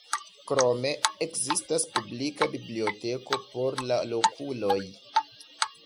Krome, ekzistas publika biblioteko por la lokuloj.